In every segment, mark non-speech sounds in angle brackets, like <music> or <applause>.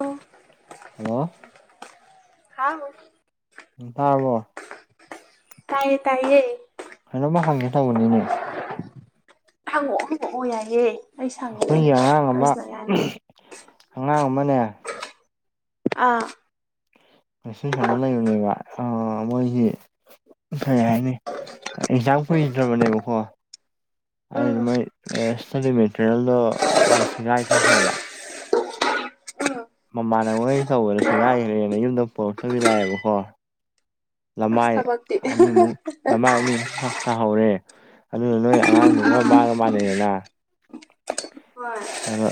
ꯑꯣ ꯍꯜꯂꯣ ꯍꯥꯎ ꯎꯝ ꯇꯥꯔꯕꯣ ꯇꯥꯏꯌꯦ ꯇꯥꯏꯌꯦ ꯀꯩꯅꯣꯝꯃ ꯍꯪꯒꯦ ꯇꯧꯕꯅꯤꯅꯦ ꯊꯪꯉꯣꯛꯗꯛꯑꯣ ꯌꯥꯏꯌꯦꯦ ꯑꯩꯈꯣꯏꯒꯤ ꯑꯉꯥꯡ ꯑꯃ ꯑꯉꯥꯡ ꯑꯃꯅꯦ ꯑꯥ ꯄꯁ ꯀꯩꯅꯣ ꯂꯩꯕꯅꯦꯕ ꯃꯣꯏꯁꯤ ꯐꯩ ꯍꯥꯏꯅꯤ ꯑꯦꯟꯖꯥꯡ ꯀꯨꯏꯗ꯭ꯔꯕꯅꯦꯕꯀꯣ ꯎꯝ ꯑꯩꯅ ꯃꯣꯏ ꯏꯁꯇꯗꯤ ꯃꯦꯇꯔꯤꯌꯦꯜꯗꯣ ꯥꯏ ꯁꯦꯒꯥꯏꯊꯣꯛꯈ꯭ꯔꯕ ꯃꯃꯥꯟꯅ ꯃꯣꯏ ꯇꯧꯕꯗ ꯁꯦꯒꯥꯏꯈ꯭ꯔꯦꯅ ꯌꯨꯝꯗ ꯄꯨꯣꯔꯛꯇꯕꯤ ꯂꯥꯛꯑꯦꯕꯀꯣ ꯂꯃꯥꯏ ꯑꯅꯤꯃꯨꯛ ꯂꯃꯥꯏ ꯑꯅꯤꯃꯨꯛ ꯇꯥꯍꯧꯔꯦ ꯑꯗꯨꯅ ꯅꯣꯏ ꯑꯉꯥꯡꯗꯨꯒ ꯃꯥꯡꯒ ꯃꯥꯟꯅꯩꯗꯅ ꯑꯗꯣ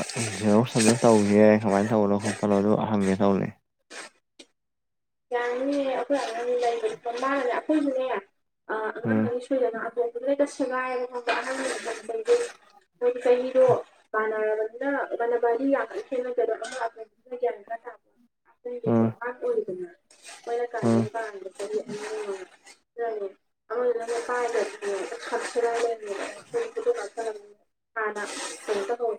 ꯦꯔꯧ ꯁꯝꯗ ꯇꯧꯒꯦ ꯀꯃꯥꯏꯅ ꯇꯧꯕꯅꯣ ꯈꯣꯠꯄꯅꯣ ꯑꯗꯨ ꯍꯪꯒꯦ ꯇꯧꯅꯤ ꯌꯥꯅꯤꯌꯦ ꯑꯩꯈꯣꯏ ꯑꯉꯥꯡ ꯂꯩꯕꯅꯤꯣꯕꯥꯅꯦ ꯑꯩꯈꯣꯏꯁꯨꯅꯦ ꯎꯝ ꯁꯣꯏꯗꯅ ꯑꯇꯣꯝꯗꯨꯗꯦꯗ ꯁꯦꯒꯥꯏꯑꯕ ꯈꯣꯠꯇ ꯑꯅꯝꯕ ꯃꯇꯝꯗꯗꯤ ꯃꯣꯏ ꯆꯍꯤꯗꯣ ꯀꯅꯥ ꯈꯦꯅꯔ ꯃ ꯀ ꯈ ꯊ ꯎꯝ ꯅꯔ ꯀ ꯎꯝ ꯀꯥ ꯑ ꯀꯥꯏ <unintelligible> ꯎꯝ ꯍꯅꯥ ꯍꯇ ꯍꯣ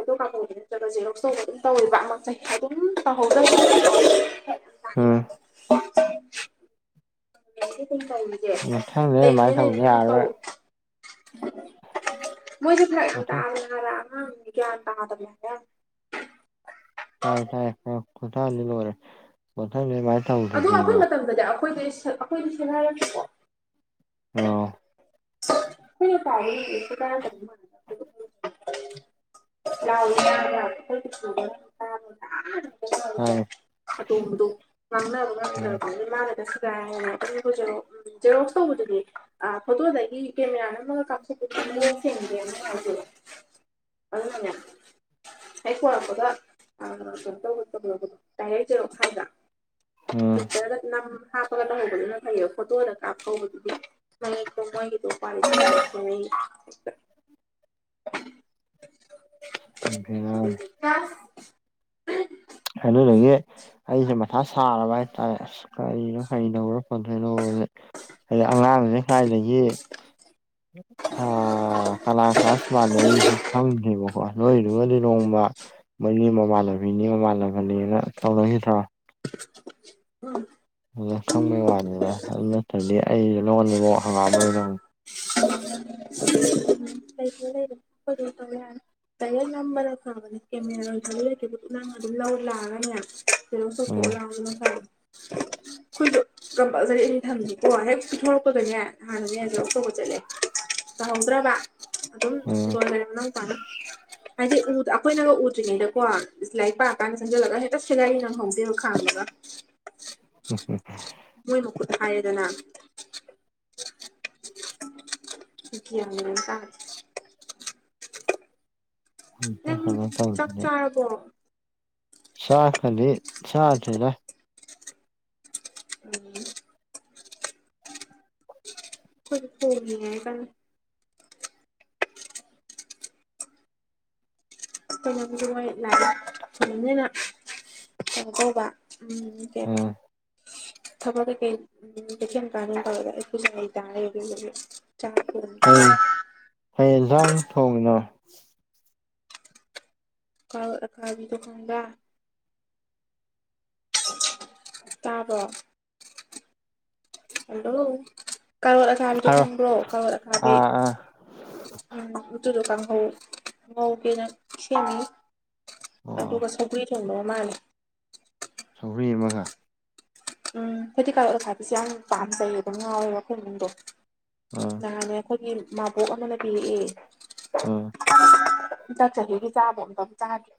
ꯑꯗꯨ ꯀꯥꯃꯧ ꯅꯠꯇ꯭ꯔꯒꯁꯦ ꯂꯧꯁꯣꯛꯒ ꯑꯗꯨꯝ ꯇꯧꯋꯕ ꯗ ꯑꯥ ꯗꯤ ꯀꯥꯏꯦ ꯃꯊꯪꯅꯦ ꯑꯗꯨꯃꯥꯏꯅ ꯇꯧꯕꯅꯦ ꯑꯥꯔ ꯃꯊꯥ ꯔ ꯇꯗ ꯂꯒ ꯆꯥꯏ ꯇꯥꯏ ꯀꯣꯟꯊꯗꯤ ꯂꯣꯏꯔꯦ ꯀꯣꯟꯊꯥꯡꯁ ꯑꯗꯨꯃꯥꯏꯅ ꯇꯧꯗꯗꯤꯕ ꯑꯩꯈꯣꯏꯗ ꯑꯩꯈꯣꯏꯗ ꯁꯦ ꯍꯥꯏꯔꯒꯦꯀꯣ ꯑꯥ ꯍ ꯇ ꯇꯔ ꯆ ꯂ ꯎ <unintelligible> ꯑ ꯍꯥꯏ ꯎꯝ ꯁꯤꯒꯥꯏ ꯑꯗꯨꯝ ꯄꯨꯖꯔꯛꯑꯣ ꯖꯦꯔꯣꯛꯁ ꯇꯧꯕꯗꯨꯗꯤ ꯐꯣꯇꯣꯗꯒꯤ ꯀꯦꯃꯦꯔꯥ ꯅꯝꯃꯒ ꯀꯥꯞꯊꯣꯛꯄꯒꯤꯑꯣꯡ ꯆꯦꯡꯒꯦꯅ ꯍꯥꯏꯖꯦ <unintelligible> ꯑꯉꯅ ꯍ ꯍꯔꯛꯄꯒ ꯀꯩꯅꯣ ꯇꯧ ꯇꯧꯕꯣ ꯇꯥꯏꯔꯩꯖꯔꯣ ꯈꯥꯏꯗ ꯎꯝ ꯇ꯭ꯋꯤꯇꯔꯗ ꯅꯝ ꯍꯥꯞꯄꯒ ꯇꯍꯧꯕꯗꯨꯅ ꯐꯩꯌꯦ ꯐꯣꯇꯣꯗ ꯀꯥꯞꯍꯧꯕꯗꯨꯗꯤ ꯃꯅꯤ ꯀꯃꯒꯤ ꯇꯧꯄꯥꯥꯟ ꯑꯗꯨ ꯀ ꯑꯗꯨꯗꯒꯤ ꯑꯩꯁꯦ ꯃꯊꯥ ꯁꯥꯔꯕ ꯍꯥꯏꯇꯥꯔꯦ ꯑꯁ ꯀꯔꯤꯅꯣ ꯀꯔꯤꯗꯧꯔꯣ ꯀ ꯊꯩꯅꯣ ꯍꯥꯏꯗꯩ ꯑꯉꯥꯡꯅ ꯁꯥꯏꯗꯒꯤ ꯀꯂꯥ ꯀ꯭ꯂꯥꯁ ꯃꯥꯟꯅꯔꯤꯁꯦ ꯈꯪꯗꯦꯕꯀꯣ ꯂꯣꯏꯔꯨꯔꯗꯤ ꯂꯣꯡꯕ ꯃꯣꯏꯅꯤ ꯃꯃꯥꯟꯂꯕꯤꯅꯤ ꯃꯃꯥꯟꯅꯕꯅꯤꯅ ꯇꯧꯅꯁꯤꯗꯔꯣ ꯎꯝ ꯑꯗ ꯈꯪꯕꯩ ꯋꯥꯅꯤꯅ ꯑꯗꯨ ꯅꯠꯇ꯭ꯔꯗꯤ ꯑꯩꯁꯨ ꯂꯧꯍꯜꯜꯂꯤꯕ ꯍꯪꯒꯥꯝ ꯃꯔ ꯂꯧ <unintelligible> ꯂꯩ ꯇ ꯌꯥꯦ ꯇꯌꯦꯜ ꯅꯝꯕꯗ ꯐꯕꯅꯦ ꯀꯦꯃꯦ ꯂꯩ ꯅꯪ ꯑꯗꯨꯝ ꯂꯧ ꯂꯥꯛꯑꯒꯅꯤ ꯐꯔꯣ ꯁꯣꯁꯣ ꯎꯝ ꯑꯔꯥꯡꯅ ꯁ <unintelligible> ꯑꯩꯈꯣꯏꯗꯣ ꯀꯔꯝꯕꯗꯤ ꯑ ꯊꯝꯗꯀꯣ ꯍꯦꯛ ꯄꯤꯊꯣꯔꯛꯄꯗꯅꯦ ꯍꯥꯟꯅꯗꯤ ꯍꯗ ꯑꯐꯧꯕ ꯆꯠꯂꯦ ꯇꯍꯧꯗ꯭ꯔꯕ ꯑꯗꯨꯝ ꯎꯝ ꯒꯣꯜ ꯂꯩꯔꯅ ꯇꯥꯅꯤ ꯍꯥꯏꯗꯤ ꯎ ꯑꯩꯈꯣꯏꯅꯒ ꯎꯗ꯭ꯔꯤꯉꯩꯗꯀꯣ ꯂꯥꯏꯛ ꯄꯥꯛꯀꯥꯟꯒ ꯆꯪꯖꯜꯂꯒ ꯍꯦꯛꯇ ꯁꯦꯒꯥꯏ ꯉꯪꯍꯧꯗꯦ ꯈꯥꯗꯒ ꯃꯣꯏꯕꯨ ꯍꯥꯏꯌꯦꯗꯅ ꯌꯥꯝ ꯇꯥꯦ ꯑꯝꯇ ꯅꯪ ꯀꯩꯅꯣ ꯆꯥꯛ ꯆꯥꯔꯕꯣ ꯁꯥ ꯐꯜꯂꯤ ꯁꯥꯇꯔ ꯎꯝ ꯐꯣꯏ ꯐ ꯍꯥꯏ ꯀ ꯣꯏ ꯂꯥꯛꯑ ꯑꯗꯨꯅꯤꯅ ꯀꯩꯅꯣ ꯇ ꯎꯝ ꯀ ꯎꯝ ꯊꯃꯒ ꯀꯩ ꯎꯝꯦꯟ ꯀꯥꯟ ꯐꯥꯎꯗ ꯄꯨꯖ ꯇꯔ ꯆꯥ ꯍꯩ ꯍꯩ ꯏꯟꯁꯥꯡ ꯊꯣꯡꯉꯤꯅꯣ ꯀ ꯀꯥꯒꯤꯗꯨꯀꯥꯟꯗ ꯇꯥꯕꯣ ꯍꯜꯂꯣ ꯀꯥꯔꯣꯠ ꯑꯀꯥꯕꯤꯗꯨꯣ ꯍꯥꯏꯔꯣ ꯈꯪꯕ꯭ꯔꯣ ꯀꯥꯔꯣꯠ ꯑꯀꯥꯕꯤ ꯑꯥ ꯑꯥ ꯎꯝꯇꯗꯨꯀꯥꯟ ꯍ ꯃ ꯀꯅ ꯁꯅꯤ ꯑꯣ ꯑꯗꯨꯒ ꯁꯧꯒ꯭ꯔꯤ ꯊꯣꯟꯕ ꯃꯥꯅꯦ ꯁꯧꯍꯔꯤ ꯑꯃꯒ ꯎꯝ ꯐꯦꯗꯤꯤꯀꯥꯔ ꯑꯣꯁꯥꯕꯤꯁꯦ ꯌꯥꯝ ꯄꯥꯝꯖꯩꯌꯦꯕꯣ ꯉꯥꯎꯋꯦꯕꯣꯏꯅꯨꯡꯗꯣ ꯑꯥ ꯅꯪꯅꯦ ꯑꯩꯈꯣꯏꯒꯤ ꯃꯥꯕꯣꯛ ꯑꯃꯅꯕꯤꯔꯛꯑꯦ ꯑꯣ ꯆꯠꯆꯒꯒꯤ ꯆꯥꯕ ꯑꯝꯇ ꯆꯥꯗꯦ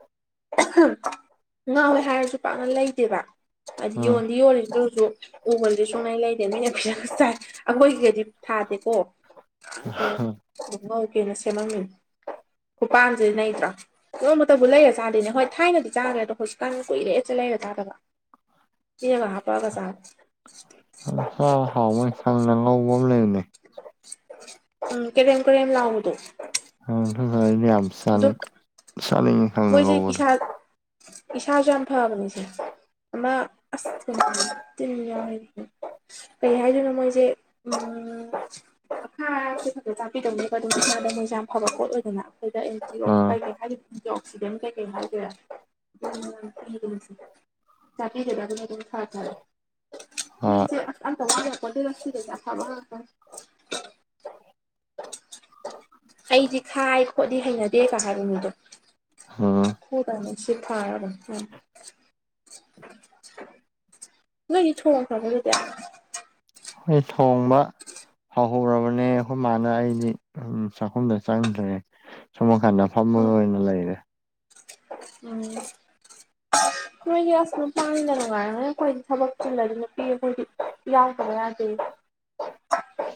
ꯉꯥꯎꯋꯦ ꯍꯥꯏꯔꯁꯨ ꯄꯥꯛꯅ ꯂꯩꯇꯦꯕ ꯍꯥꯏ ꯌꯣꯟꯕ ꯐ ꯑꯣꯏꯣꯔꯤꯁꯤꯁꯨ ꯎꯃꯜꯗꯤ ꯁꯨꯡꯉꯩ ꯂꯩꯗꯦ ꯃꯤꯅ ꯐꯤꯖ ꯆꯥꯏ ꯑꯩꯈꯣꯏꯒꯤꯒꯗꯤ ꯊꯥꯗꯦꯀꯣ ꯑꯗ ꯑꯥ ꯉꯧꯀꯦꯅ ꯁꯦꯝꯃꯝꯃꯤ ꯈꯨꯄꯥꯟꯁꯤꯦ ꯅꯇ꯭ꯔꯥ ꯀꯩꯅꯣꯝꯇꯕꯨ ꯂꯩꯔ ꯆꯥꯗꯦꯅꯦ ꯍꯣꯏ ꯊꯥꯏꯅꯗꯤ ꯆꯥꯈ꯭ꯔꯦ ꯑꯗꯣ ꯍꯧꯖꯤꯛꯀꯥꯟ ꯀꯨꯏꯔꯦꯠ ꯆꯦ ꯂꯩꯔ ꯆꯥꯗꯕ ꯌꯦ ꯀ ꯍꯥ ꯄꯒ ꯁꯥ ꯌꯥꯝ ꯆ ꯍꯥꯎꯕꯩ ꯁꯪꯅ ꯉꯧꯕ ꯑꯃ ꯂꯩꯕꯅꯦ ꯎꯝ ꯀꯗꯦꯝ ꯀꯦꯝ ꯂꯥꯎꯨꯗꯧ ꯑꯅꯦ ꯌꯥꯝ ꯁꯅ ꯃꯣꯏꯁꯦ ꯏꯁꯥ ꯏꯁꯥꯁꯨ ꯌꯥꯝ ꯐꯕꯅꯤꯁꯦ ꯃ ꯑꯁ ꯇ ꯌꯥ ꯀꯩ ꯍꯥꯏꯗꯨꯅ ꯃꯣꯏꯁꯦ ꯎ ꯑꯥꯥꯁ ꯈꯛꯇ ꯇꯥꯛꯄꯤꯗꯧꯅꯦꯕꯣ ꯑꯗꯨꯝ ꯏꯁꯥꯗ ꯃꯣꯏꯁꯦ ꯌꯥꯝ ꯐꯕ ꯄꯣꯠ ꯑꯣꯏꯗꯅ ꯑꯩꯈꯣꯏꯗ ꯑꯦꯟ ꯑꯣ ꯑꯥ ꯀꯩ ꯍꯥꯏ ꯑꯣꯛꯁꯤꯗꯦꯟ ꯀꯩꯀꯩ ꯍꯥꯏꯒꯦꯔꯥ ꯆꯄꯤꯔꯤꯗꯕ ꯑꯗꯨꯃ ꯇ ꯊꯔ ꯊꯔꯑꯣ ꯑꯥ ꯃꯤꯦ ꯑꯗ ꯋꯥꯦ ꯀꯣꯗꯤ ꯂ ꯑ ꯊꯕ ꯑꯩꯗꯤ ꯈꯥꯏ ꯈꯣꯠꯂꯤ ꯍꯩꯅꯗꯦ ꯀ ꯍꯥꯏꯕ ꯃꯤꯗꯣ ꯎꯝ ꯍꯔꯅꯤ ꯁꯤ ꯊꯔ ꯎ ꯅꯗꯤ ꯊꯃꯥ ꯐꯅ ꯂꯩꯗꯦ ꯑꯩꯈꯣꯏ ꯊꯣꯡꯕ ꯍꯍ ꯃ ꯑꯩꯈꯣꯏ ꯑꯩꯗꯤ ꯆꯥꯛꯈꯨꯝꯗ ꯆꯪꯗ꯭ꯔꯦ ꯁꯨꯝꯃꯀꯥꯟꯗ ꯐꯝꯕꯒ ꯑꯣꯏꯅ ꯂꯩꯔꯦ ꯎꯝ <unintelligible> ꯃꯣꯏꯒꯤ ꯑꯁ ꯅꯨꯄꯥꯅꯤꯗ ꯅꯨꯡꯉꯥꯏꯔꯉꯩ ꯑꯩꯈꯣꯏ ꯊꯕꯛ ꯆꯤꯜꯂꯗꯤ ꯅꯨꯄꯤ ꯑꯩꯈꯣꯏꯗꯤ ꯌꯥꯎꯗꯕ ꯌꯥꯗꯦ <unintelligible>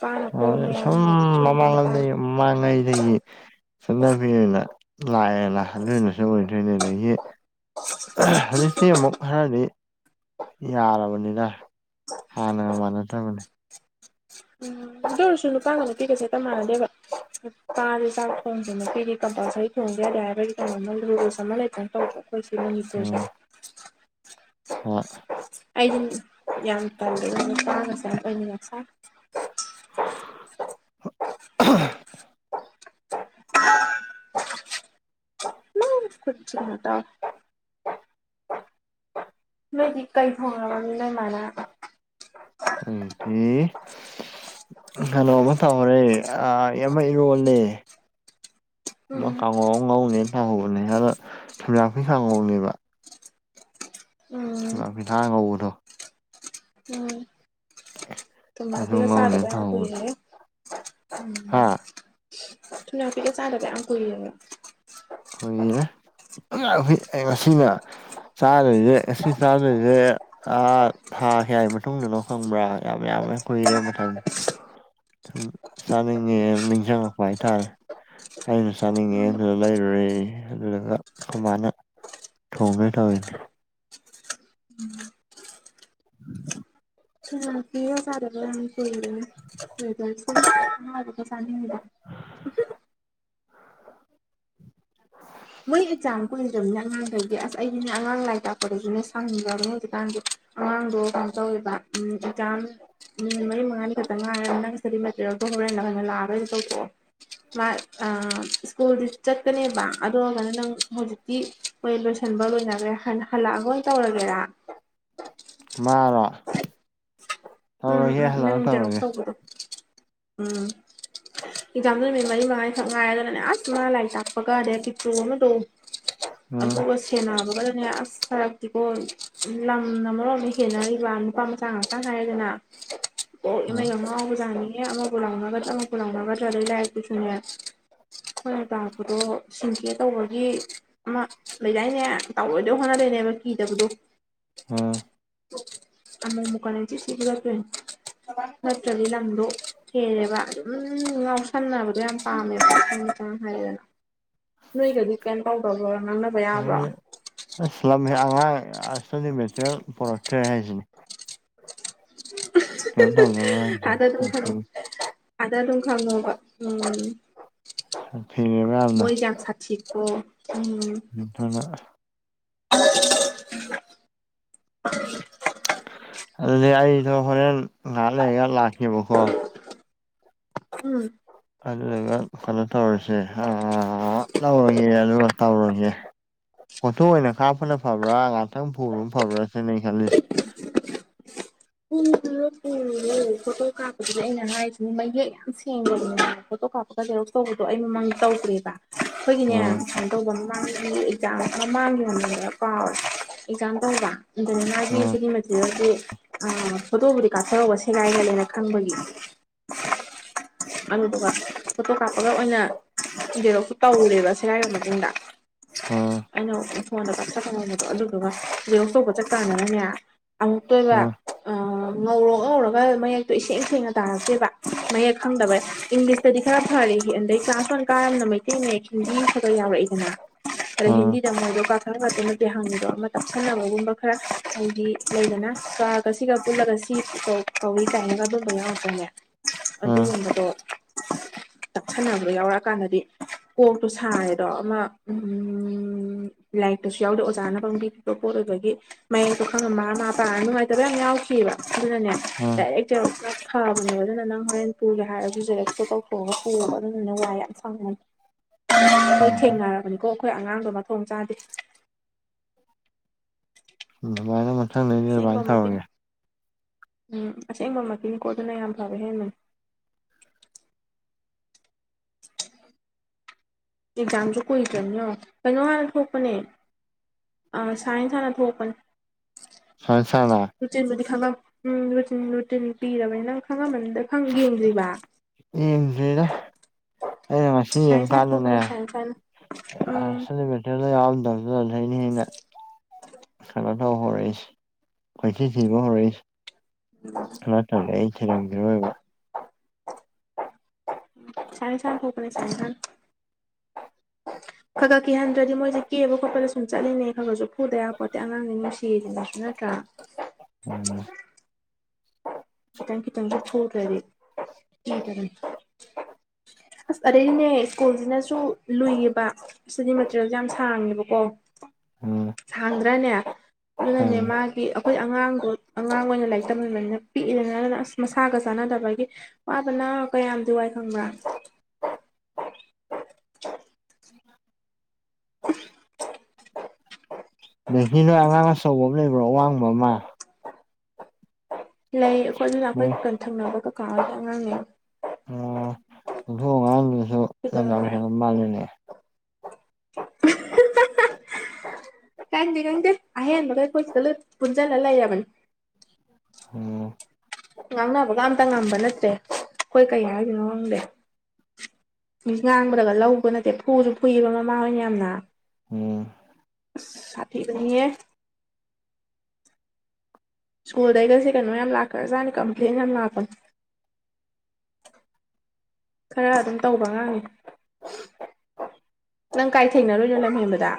ꯄꯥꯅ ꯀꯣ ꯃꯅꯤ ꯆꯨꯝꯃꯦ ꯄ ꯃꯥꯡꯉꯩꯗꯒꯤꯌꯦ ꯆꯠꯅꯕꯤꯤꯦꯅ ꯂꯥꯛꯑꯦꯅꯜꯂꯅꯁꯨ ꯑꯣꯏꯗꯣꯏꯅꯦ ꯑꯗ ꯍ ꯁꯤ ꯑꯃꯛ ꯈꯔꯗꯤ ꯌꯥꯔꯕꯅꯤꯅ ꯍꯥꯟꯅꯒ ꯃꯥꯟꯅꯗꯕꯅꯤ ꯎꯝ ꯑꯗꯨ ꯑꯣꯏꯔꯁꯨ ꯅꯨꯄꯥꯒ ꯅꯨꯄꯤꯒꯁꯦꯛꯇ ꯃꯥꯟꯅꯗꯦꯕ ꯀꯥꯥꯁꯦ ꯆꯥꯛ ꯊꯣꯡꯗꯦꯅ ꯀꯩꯗꯤ ꯀꯕꯥꯁ ꯊꯣꯡꯒ ꯌꯥꯗꯦ ꯍꯥꯏꯕꯒꯤ ꯀꯩꯅꯣꯝꯃ ꯔꯨꯜꯁ ꯑꯃ ꯂꯩꯇꯅ ꯇꯧꯕ ꯀꯁꯁꯦ ꯎꯝ ꯍꯣꯏ ꯑꯩꯗꯤ ꯌꯥꯝ ꯄꯜꯗꯦ ꯃꯆꯥ ꯃꯁ ꯑꯣꯏ ꯃꯁ <unintelligible> <unintelligible> ꯈꯨ ꯆꯤꯡꯗ ꯅꯣꯏꯗꯤ ꯀꯩ ꯊꯣꯡꯉꯕ ꯃꯤ ꯂꯩꯃꯥꯟꯅꯕ ꯑꯗꯤ ꯀꯩꯅꯣꯃ ꯇꯧꯈꯔꯦ ꯌꯥꯝ ꯏꯔꯣꯜꯂꯦ ꯃꯥ ꯎꯝ ꯀꯥꯡꯉꯧ ꯑꯃ ꯉꯧꯅꯦꯅ ꯊꯥꯍꯧꯕꯅꯦ ꯍꯥꯟꯅ ꯊꯨꯝꯖꯥꯡꯈꯩꯁꯥ ꯉꯧꯅꯦꯕ ꯎꯝ ꯊ ꯊꯥꯡ ꯉꯧꯕꯗꯣ ꯎꯝ ꯑꯗꯨ ꯃꯕꯤꯌꯥ ꯉꯧꯅꯦꯅ ꯁꯔꯗꯅ ꯇꯧꯍꯧꯕꯅꯦ ꯄꯨꯏꯅꯦ ꯎꯝ ꯍꯥ ꯊꯅꯄꯤꯒ ꯆꯗꯦ ꯑ ꯀ ꯍꯣꯏꯅꯦ ꯉꯁꯤꯅ ꯆꯥꯔꯁꯦ ꯆꯥꯅꯦ ꯑ ꯊꯥ ꯀꯌꯥꯒꯤ ꯃꯇꯨꯡꯗꯅꯣ ꯈꯪꯕ꯭ꯔꯥ ꯌꯥꯝ ꯌꯥꯝ ꯀꯨꯏꯔꯕ ꯃꯇꯝ ꯆ ꯅꯅꯦ ꯅ ꯆꯅ ꯀ ꯍꯥꯏꯇꯥꯔꯦ ꯑꯩꯅ ꯎꯝ ꯆꯥꯅꯤꯡꯉꯦ ꯂꯩ ꯇꯨꯔꯦ ꯑꯗꯨꯗꯨꯒ ꯁꯃꯥꯏꯅ ꯊꯣꯡꯅ ꯇꯧꯋꯅꯤ ꯁꯤꯔꯒꯦ ꯐ ꯃꯣꯏ ꯑꯦꯛꯖꯥꯝ ꯀꯨꯏꯗ꯭ꯔꯕꯅꯤ ꯑꯉꯥꯡꯈꯗꯤ ꯑꯁ ꯑꯩꯒꯤꯅꯦ ꯑꯉꯥꯡ ꯂꯥꯏꯔꯤꯛ ꯇꯥꯛꯄꯗꯁꯨ ꯅꯣꯏ ꯁꯪꯖꯔꯅꯤ ꯍꯧꯖꯤꯛꯀꯥꯟꯗꯤ ꯑꯉꯥꯡꯗꯣ ꯀꯩꯅꯣ ꯇꯧꯋꯦꯕ ꯎꯝ ꯑꯦꯛꯖꯥꯝ ꯃꯤ ꯃꯔꯤ ꯃꯉꯥꯟꯅꯤ ꯀꯇꯉ ꯁꯗꯤ ꯃꯥꯅꯔ ꯇꯣ ꯃꯥ ꯑ ꯁꯀꯨꯜ ꯆꯀꯅꯤ ꯑꯗꯨꯔꯒꯅ ꯅꯪ ꯍꯧꯖꯤꯛꯇꯤ ꯍꯣꯏ ꯂꯣꯏꯁꯤꯟꯕ ꯂꯣꯏꯅꯈ꯭ꯔꯦ ꯍꯜꯂꯛꯑꯒ ꯑꯣꯏꯅ ꯇꯧꯔꯒꯦꯔꯥ ꯃꯥ ꯎꯝ ꯎꯝ ꯅꯪ ꯦꯔꯣ ꯇꯧꯔꯒꯦ ꯇꯧꯕꯗꯣ ꯎꯝ ꯑꯦꯛꯖꯥꯝꯗ ꯅꯨꯃꯤꯠ ꯃꯔꯤ ꯃꯉꯥꯏꯈꯛ ꯉꯥꯏꯔꯗꯅꯅꯦ ꯑꯁ ꯉꯥ ꯂꯥꯏꯔꯤꯛ ꯆꯥꯛꯄꯒꯔꯦ ꯀꯤꯆꯨ ꯑꯃ ꯇꯣꯑꯣ ꯑ ꯎꯝ ꯀꯁ ꯁꯦꯟꯅꯅꯕꯒꯗꯅꯦ ꯑꯁ ꯐꯔꯛꯇꯤꯀꯣ ꯂꯝ ꯑꯃꯔꯣꯝꯗ ꯍꯦꯟꯅꯔꯤꯕ ꯅꯨꯄꯥ ꯃꯆꯥ ꯉꯥꯛꯇ ꯍꯥꯏꯔꯗꯅ ꯑꯣ ꯏꯃꯩ ꯑꯃꯕꯖꯥꯅꯤ ꯑꯃꯥꯕꯨ ꯂꯥꯡꯅꯒꯠ ꯑ ꯑꯃꯃꯕꯨ ꯀꯧꯕ ꯂꯥꯡꯉꯒꯠꯔ ꯂꯥꯏꯀꯤ ꯁꯅꯦꯌꯥ ꯍꯣꯏ ꯇꯥꯛꯄꯗꯣ ꯁꯤꯡꯒꯦ ꯇꯧꯕꯒꯤ ꯑꯃ ꯂꯩꯗꯥꯏꯅꯦ ꯇꯥꯎꯑꯣꯏꯗꯣꯏ ꯍꯣꯠꯅꯔꯅꯦꯕ ꯀꯤꯗꯕꯗꯣ ꯑꯣꯥ ꯑꯃꯃ ꯃꯀ ꯂꯩ ꯁꯤꯈꯤꯕꯈꯤꯕ ꯐ꯭ꯔꯦꯟ ꯍꯠꯇꯒꯤ ꯂꯝꯗꯣ ꯍꯦꯔꯦꯕ ꯑꯗꯨꯝ ꯉꯥꯎꯁꯕꯗꯣ ꯌꯥꯝ ꯄꯥꯝꯃꯦꯕ ꯑꯡ ꯍꯥꯏꯑꯣ ꯅꯣꯏꯒꯗꯤ ꯀꯩꯅꯣ ꯇꯧꯗꯕ꯭ꯔꯣ ꯉꯥꯡꯅꯕ ꯌꯥꯕ꯭ꯔꯣ ꯑꯂꯝ ꯑꯉꯥꯡ ꯑꯁꯅꯤ ꯃꯦꯇꯔꯤꯌꯦꯜ ꯄ ꯄꯨꯣꯔꯛꯇ꯭ꯔꯦ ꯍꯥꯏꯁꯤꯅꯦ ꯀꯩꯅꯣ ꯇꯧꯗꯕ꯭ꯔꯥ ꯍꯥꯏꯁꯦ ꯑꯗ ꯊ ꯈꯔ ꯑꯗꯥ ꯇꯝ ꯈꯥ ꯃꯣ ꯎꯝ ꯁꯥꯊꯤꯔꯦꯕ ꯌꯥꯝꯅ ꯃꯣꯏ ꯌꯥ ꯁꯤꯀꯣ ꯎꯝ ꯎ ꯍꯅ ꯑꯗꯨꯗꯤ ꯑꯩꯗꯣ ꯍꯣꯔꯦꯟ ꯉꯥꯏꯍꯥꯛ ꯂꯩꯔꯒ ꯂꯥꯛꯀꯦꯕꯀꯣ ꯎꯝ ꯑꯗꯨꯒ ꯀꯩꯅꯣ ꯇꯧꯔꯁꯦ ꯂꯧꯔꯒꯦ ꯑꯗꯨꯒ ꯇꯧꯔꯒꯦ ꯐꯣꯇꯣ ꯑꯣꯏꯅ ꯀꯥꯞꯄꯅ ꯐꯕ꯭ꯔꯥ ꯉꯥꯛꯇꯪ ꯐꯔꯨ ꯐꯕ꯭ꯔꯥ ꯁꯦꯅ ꯈꯜꯂꯤꯁꯦ ꯀꯟꯔꯣ ꯇ ꯑꯣ ꯐꯣꯇꯣ ꯀꯥꯞꯄꯗꯨꯗ ꯑꯩꯅ ꯍꯥꯏꯔꯤꯁꯤꯅꯤ ꯃꯌꯦꯛ ꯌꯥꯝ ꯁꯦꯡꯗꯕꯅꯤꯅ ꯐꯣꯇꯣ ꯀꯥꯞꯄꯒ ꯂꯩꯔꯦ ꯑ ꯇꯧꯕꯗꯣ ꯑꯩ ꯃꯃꯥꯡ ꯇꯧꯗ꯭ꯔꯦꯕ ꯑꯩꯈꯣꯏꯒꯤꯅꯦ ꯎꯝ ꯁꯨꯃꯥꯏꯅ ꯇꯧꯗꯅ ꯃꯥꯡ ꯑꯦꯛꯖꯥ ꯈꯅ ꯃꯥꯡꯈꯤꯕ ꯍꯅꯤꯡꯅꯦꯕ ꯀꯥꯎꯦ ꯑꯦꯛꯖꯥꯝ ꯇꯧꯕ ꯑꯗꯨꯅ ꯃꯥꯒꯤ ꯎꯝ ꯁꯤꯒꯤ ꯃꯆꯒꯤ ꯐꯣꯇꯣꯕꯨꯗꯤ ꯀꯥꯊꯍꯧꯕꯁꯦ ꯍꯤꯒꯥꯏꯒꯦꯜꯂꯅ ꯈꯪꯕꯒꯤ ꯇꯥꯗꯔꯦ <inaudible> ꯑꯗꯨꯗꯨꯒ ꯐꯣꯇꯣ ꯀꯥꯞꯄꯒ ꯑꯣꯏꯅ ꯏꯔꯣꯁꯨ ꯇꯧꯔꯨꯔꯦꯕ ꯁꯦꯔꯥꯏꯔ ꯃꯇꯨꯡꯗ ꯎꯝ ꯑꯩꯅ ꯐꯣꯟꯗ ꯀꯥꯞꯊꯠꯀꯕꯗꯣ ꯑꯗꯨꯗꯨꯒ ꯔꯦꯡ ꯇꯧꯕ ꯆꯠꯀꯥꯅꯤꯅꯅꯦ ꯑꯃꯨꯛꯛꯇꯣꯏꯕ ꯎꯝ ꯑ ꯉꯧꯔꯣ ꯉꯧꯔ ꯃꯌꯦꯛꯇꯣ ꯏꯁꯦꯡ ꯁꯦꯡꯅ ꯇꯥꯔꯁꯦꯕ ꯃꯌꯦꯛ ꯈꯪꯗꯕ ꯏꯪꯂꯤꯁꯇꯗꯤ ꯈꯔ ꯐꯔ ꯑꯗꯩ ꯀ꯭ꯂꯥꯁ ꯋꯥꯟ ꯀꯔꯝꯅ ꯃꯩꯇꯩ ꯃꯌꯦꯛ ꯍꯤꯟꯗꯤ ꯈꯕ ꯌꯥꯎꯔꯛꯏꯗꯅꯣ ꯑꯗ ꯎꯝ ꯍꯤꯟꯗꯤꯗ ꯃꯣꯏꯗꯣ ꯄꯥ ꯈꯔ ꯉꯥꯛꯇ ꯅꯠꯇꯦ ꯍꯪꯉꯤꯗꯣ ꯑꯃ ꯇꯛꯁꯤꯟꯅꯕꯒꯨꯝꯕ ꯈꯔ ꯍꯥꯏꯗꯤ ꯂꯩꯗꯅ ꯀꯒ ꯁꯤꯒ ꯄꯨꯜꯂꯒ ꯁꯤ ꯀꯣ ꯇꯧꯏꯤ ꯇꯥꯏꯒ ꯑꯗꯨꯒꯕ ꯌꯥꯎꯄꯅꯦ ꯎꯝ ꯑꯗꯨꯒꯨꯝꯕꯗꯣ ꯇꯛꯁꯟꯅꯅꯕ ꯌꯥꯎꯔꯛꯑꯀꯥꯟꯗꯗꯤ ꯀꯣꯛꯇꯣ ꯁꯥꯔꯦꯗꯣ ꯑꯃ ꯎ ꯂꯥꯏꯔꯤꯛꯇꯁꯨ ꯌꯥꯎꯗꯦ ꯑꯣꯖꯥꯅ ꯐꯪꯗꯤ ꯑꯣ ꯄꯣꯠ ꯑꯣꯏꯕꯒꯤ ꯃꯌꯦꯛꯇꯣ ꯈꯪꯉꯝ ꯃꯥ ꯃꯥ ꯄꯥꯔꯒ ꯅꯨꯡꯉꯥꯏꯇꯕ ꯌꯥꯝ ꯌꯥꯎꯈꯤꯕꯑꯕ ꯁꯤꯅꯅꯦ ꯎꯝ ꯑꯦꯛꯛꯇꯦꯔ ꯐꯥꯕꯅꯦꯕ ꯑꯗꯨꯅ ꯅꯪ ꯍꯣꯔꯦꯟ ꯄꯨꯒꯦ ꯍꯥꯏꯔꯒ ꯨꯖꯦꯔꯦꯛꯇꯣ ꯇꯧꯊꯣꯛꯑꯒ ꯄꯨꯑꯕ ꯑꯗꯨꯃꯥꯏꯅ ꯋꯥꯏ ꯌꯥꯝ ꯐꯪꯉꯅꯤ ꯍꯣꯏ ꯍꯈꯣꯏ ꯊꯦꯡꯅꯔꯕꯅꯤꯀꯣ ꯑꯩꯈꯣꯏ ꯑꯉꯥꯡꯗꯣ ꯃꯊꯣꯡ ꯆꯥꯗꯦ ꯎꯝ ꯃꯥ ꯑꯁꯦꯡꯕ ꯃꯇꯤꯟ ꯎꯝ ꯑꯁꯦꯡꯕ ꯃꯇꯤꯟꯀꯣ ꯑꯗꯨꯅ ꯌꯥꯝ ꯐꯕꯦ ꯍꯦꯟꯅꯅꯤ ꯇꯗꯔ꯭ꯦ <inaudible> ꯑꯦꯛꯖꯥꯝꯁꯨ ꯀꯨꯏꯗ꯭ꯔꯅꯤꯅꯣ ꯀꯩꯅꯣ ꯍꯥꯟ ꯊꯣꯛꯄꯅꯦ ꯑꯥ ꯁꯥꯏꯟ ꯍꯥꯟꯅ ꯊꯣꯛꯄꯅꯤ ꯁꯥꯏꯟꯁ ꯍꯥꯟꯅ ꯔꯨꯇꯤꯟꯕꯨꯗꯤ ꯈꯪꯉꯝ ꯔꯨꯇꯤꯟ ꯔꯨꯇꯤꯟ ꯄꯤꯔꯕꯅꯤ ꯅꯪ ꯈꯪꯉꯝꯃꯅꯤꯗ ꯈꯪ ꯌꯦꯡꯗ꯭ꯔꯤꯕ ꯌꯦꯡꯗꯦꯗ ꯑꯩꯅ ꯉꯁꯤ ꯏꯁꯥ ꯌꯦꯡ ꯏꯁꯥꯅ ꯊꯣꯛꯄꯅꯦ ꯏꯁꯥ ꯏꯁꯥꯅ ꯎꯝ <unintelligible> ꯈꯅꯥꯊ ꯍꯧꯔꯛꯏꯁ ꯀꯣꯏꯊꯤꯊꯤꯕ ꯍꯧꯔꯛꯏꯁ ꯎꯝ <unintelligible> ꯁꯥꯡꯉ ꯁꯥꯟ ꯈꯛꯅꯦ ꯁ ꯁꯥꯟ ꯈ ꯈꯛ ꯀꯦꯍꯟꯗ꯭ꯔꯗꯤ ꯃꯣꯏꯁꯦ ꯀꯦꯕ ꯈꯣꯠꯄꯗ ꯁꯨꯝ ꯆꯠꯂꯤꯉꯩ ꯈꯒꯠꯁꯨ ꯐꯨꯗꯕꯕ ꯈꯣꯠꯇꯦ ꯑꯉꯥꯡꯁꯩ ꯅꯨꯡꯁꯤꯁꯤ ꯂꯥꯛꯁꯨ ꯅꯠꯇ꯭ꯔꯥ ꯎꯝ ꯈꯤꯇꯪꯀꯤꯈꯤꯇꯪ ꯊꯣꯠ ꯔꯔꯤ ꯇꯔꯦ ꯑꯁ ꯑꯗꯩꯅꯦ ꯁ꯭ꯀꯨꯜꯁꯤꯅꯁꯨ ꯂꯨꯏꯌꯦꯕ ꯁꯤꯗꯤ ꯃꯇꯦꯦꯔꯤꯌꯦꯜꯁꯦ ꯌꯥꯝ ꯁꯥꯡꯉꯦꯕꯀꯣ ꯎꯝ ꯁꯥꯡꯗ꯭ꯔꯅꯦ ꯑꯗꯨꯅꯅꯦ ꯎꯝ ꯃꯥꯒꯤ ꯑꯩꯈꯣꯏ ꯑꯉꯥꯡꯗꯣ ꯑꯉꯥꯡ ꯑꯣꯏꯅ ꯂꯥꯏꯔꯤꯛ ꯇꯝꯃꯤꯕꯅꯤꯅ ꯄꯤꯛꯏꯕꯅꯤ ꯑꯗꯨꯅ ꯑꯁ ꯃꯁꯥꯒ ꯆꯥꯟꯅꯗꯕꯒꯤ ꯋꯥꯕꯅ ꯀꯌꯥꯝꯗꯤ ꯋꯥꯏ ꯈꯪꯕ꯭ꯔꯥ <unintelligible> <unintelligible> <unintelligible> ꯑꯉꯥꯡ ꯑꯆꯧꯕ ꯑꯃ ꯂꯩꯕ꯭ꯔꯣ ꯑꯋꯥꯡꯕ ꯑꯃ ꯂꯩ ꯑꯩꯈꯣꯏ ꯑꯗꯨꯅ ꯑꯩꯈꯣꯏ ꯅꯣꯏ ꯀꯀꯟ ꯊꯪꯅꯕ ꯀꯀꯥ ꯑꯉꯥꯡꯅꯦ ꯑꯣ ꯑꯗꯨ ꯑꯉꯥꯡꯗꯨꯁꯨ ꯂꯝ ꯌꯥꯝ ꯀꯩꯗꯧꯔꯒ ꯍꯦꯟꯕ ꯃꯥꯜꯂꯦꯅꯦ ꯈꯪꯗꯦ ꯈꯪꯗꯦ ꯑꯍꯦꯟꯕꯈꯩ ꯑꯩꯩꯈꯣꯏ ꯄꯨꯜꯂꯞ ꯄꯨꯟꯖꯤꯜꯂ ꯂꯩꯔꯕꯅꯦ ꯎ ꯉꯥꯡꯅꯕꯒ ꯑꯝꯇ ꯉꯝꯕ ꯅꯠꯇ꯭ꯔꯦ ꯑꯩꯈꯣꯏ ꯀꯩ ꯍꯥꯏꯗꯣꯏꯅꯣ ꯈꯪꯗꯦ ꯉꯥꯡꯕꯗꯒ ꯂꯧꯕ ꯅꯠꯇꯦ ꯐꯨꯁꯨ ꯐꯨꯏꯌꯦꯕ ꯃꯃꯥ ꯍꯣꯏꯅ ꯌꯥꯝꯅ ꯑꯣ ꯑ ꯁꯥꯇꯤ ꯕꯅꯤꯍꯦ ꯁ꯭ꯀꯨꯜꯗꯩꯒꯁꯦ ꯀꯩꯅꯣ ꯌꯥꯝ ꯂꯥꯛꯈ꯭ꯔꯥꯖꯥꯠꯅꯦ ꯀꯝꯄ꯭ꯂꯦꯟ ꯌꯥꯝ ꯂꯥꯛꯄꯅꯤ ꯈꯔ ꯑꯗꯨꯝ ꯇꯧꯕ ꯑꯉꯥꯡꯅꯤ ꯅꯪ ꯀꯥꯏ ꯊꯦꯡꯅꯔꯨꯏꯅꯣ ꯂꯝꯍꯦꯟꯕꯗ